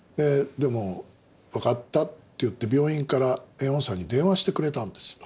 でも「分かった」って言って病院から猿翁さんに電話してくれたんですよ。